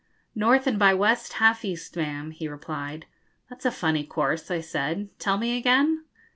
'North and by west, half east, ma'am,' he replied. 'That's a funny course,' I said; 'tell me again.'